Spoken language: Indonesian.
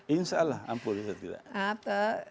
insya allah ampuh bisa kita